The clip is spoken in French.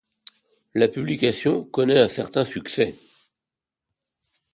La publication connaît un certain succès.